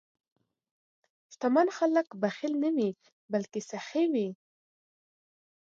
شتمن خلک بخیل نه وي، بلکې سخي وي.